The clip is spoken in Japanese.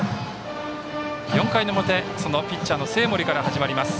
４回の表はピッチャーの生盛から始まります。